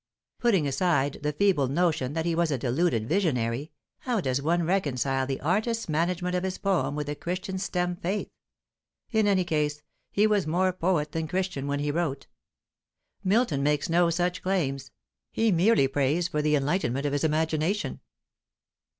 Putting aside the feeble notion that he was a deluded visionary, how does one reconcile the artist's management of his poem with the Christian's stem faith? In any case, he was more poet than Christian when he wrote. Milton makes no such claims; he merely prays for the enlightenment of his imagination."